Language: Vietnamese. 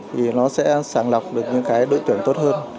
thì nó sẽ sàng lọc được những cái đội tuyển tốt hơn